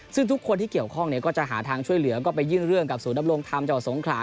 ซึ่งทุกคนที่เกี่ยวข้องก็จะหาทางช่วยเหลือก็ไปยื่นเรื่องกับศูนยำรงธรรมจังหวัดสงขลา